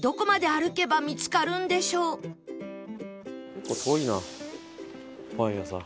結構遠いなパン屋さん。